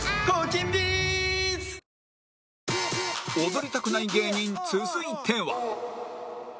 踊りたくない芸人続いては